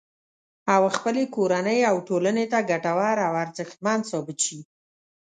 او خپلې کورنۍ او ټولنې ته ګټور او ارزښتمن ثابت شي